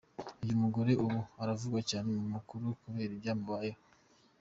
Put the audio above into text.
Uyu mugore ubu aravugwa cyane mu makuru kubera ibyamubayeho!.